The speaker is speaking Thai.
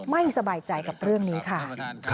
ไม่สบายใจกับเรื่องนี้ค่ะ